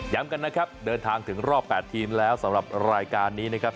กันนะครับเดินทางถึงรอบ๘ทีมแล้วสำหรับรายการนี้นะครับ